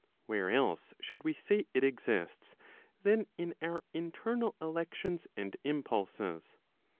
Where else should we say it exists, than in our internal elections and impulses?